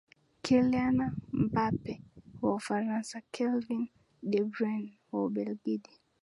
Kyliana Mbappe wa Ufaransa Kevin De Bruyne wa Ubelgiji